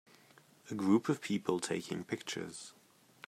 A group of people taking pictures.